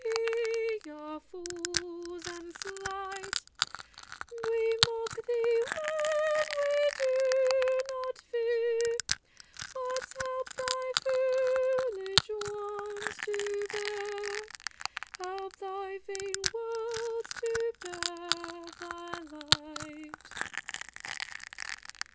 We are fools and slight; We mock thee when we do not fear: But help thy foolish ones to bear; Help thy vain worlds to bear thy light.